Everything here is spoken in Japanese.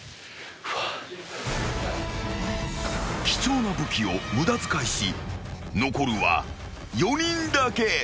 ［貴重な武器を無駄遣いし残るは４人だけ］